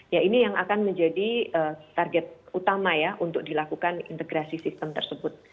ya ini yang akan menjadi target utama ya untuk dilakukan integrasi sistem tersebut